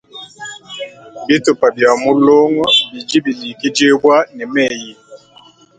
Bitupa bia mulongo bidi bilikidibwa ne meyi.